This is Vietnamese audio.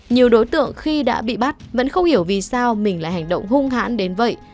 nhiều đối tượng khi đã bị bắt vẫn không hiểu vì sao mình lại hành động hung hãn đến vậy